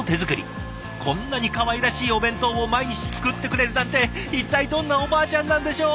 こんなにかわいらしいお弁当を毎日作ってくれるなんて一体どんなおばあちゃんなんでしょう？